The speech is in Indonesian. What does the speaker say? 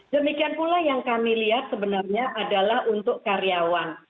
demikian pula yang kami lihat sebenarnya adalah untuk karyawan